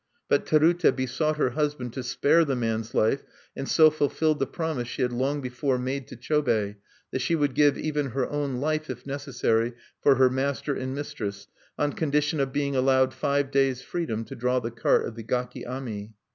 But Terute besought her husband to spare the man's life, and so fulfilled the promise she had long before made to Chobei, that she would give even her own life, if necessary, for her master and mistress, on condition of being allowed five days' freedom to draw the cart of the gaki ami.